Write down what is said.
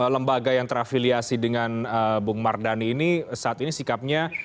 lembaga yang terafiliasi dengan bung mardhani ini saat ini sikapnya